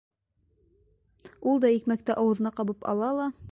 Ул да икмәкте ауыҙына ҡабып ала ла...